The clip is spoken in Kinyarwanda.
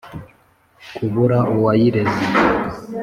kubura uwayireze,